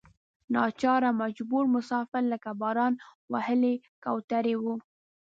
ناچاره مجبور مسافر لکه باران وهلې کوترې وو.